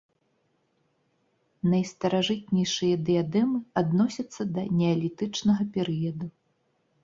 Найстаражытнейшыя дыядэмы адносяцца да неалітычнага перыяду.